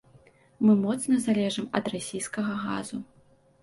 Мы моцна залежым ад расійскага газу.